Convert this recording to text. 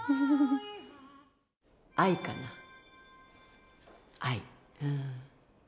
愛かな愛。